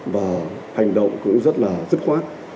và hành động cũng rất là dứt khoát